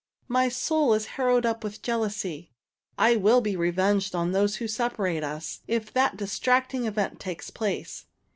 My soul is harrowed up with jealousy. I will be revenged on those who separate us, if that distracting event take place.